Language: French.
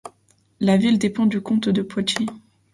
La ville dépend du comte de Poitiers.